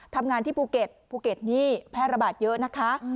ทำงานที่ภูเก็ตภูเก็ตนี่แพร่ระบาดเยอะนะคะ